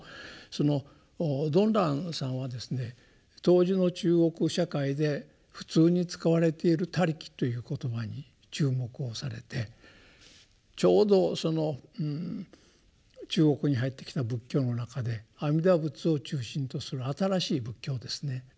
その曇鸞さんはですね当時の中国社会で普通に使われている「他力」という言葉に注目をされてちょうどその中国に入ってきた仏教の中で阿弥陀仏を中心とする新しい仏教ですね。